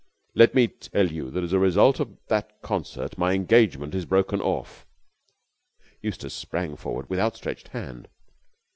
Let me tell you that as a result of that concert my engagement is broken off." Eustace sprang forward with outstretched hand.